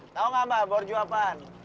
tahu gak mbah borju apaan